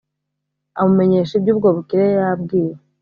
amumenyesha iby'ubwo bukire yari yabwiwe